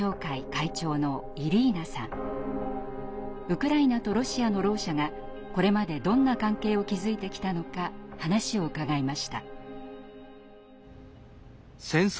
ウクライナとロシアのろう者がこれまでどんな関係を築いてきたのか話を伺いました。